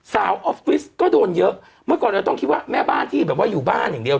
ออฟฟิศก็โดนเยอะเมื่อก่อนเราต้องคิดว่าแม่บ้านที่แบบว่าอยู่บ้านอย่างเดียว